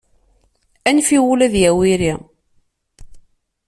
Anef i wul ad yawi iri.